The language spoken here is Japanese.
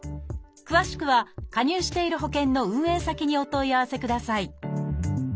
詳しくは加入している保険の運営先にお問い合わせください